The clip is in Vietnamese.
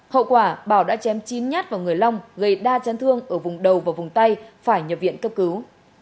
hậu quả bảo đã chém chín nhát vào người long gây đa chấn thương ở vùng đầu và vùng tay phải nhập viện cấp cứu